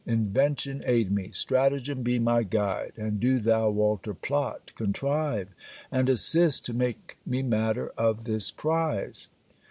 Invention aid me! Stratagem be my guide! And do thou, Walter, plot, contrive, and assist to make me matter of this prize.